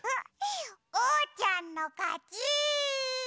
おうちゃんのかち！